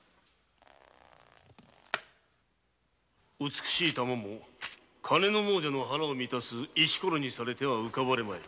美しい玉も金の亡者の腹を満たす石ころにされては浮かばれまい。